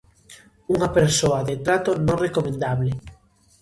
Unha persoa de trato non recomendable.